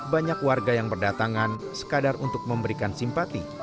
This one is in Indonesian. banyak warga yang berdatangan sekadar untuk memberikan simpati